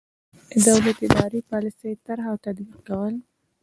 د دولت د اداري پالیسۍ طرح او تطبیق کول.